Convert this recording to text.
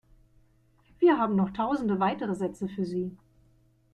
Wir haben noch tausende weitere Sätze für Sie.